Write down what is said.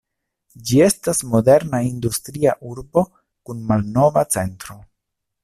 Ĝi estas moderna industria urbo kun malnova centro.